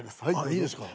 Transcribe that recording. いいですか？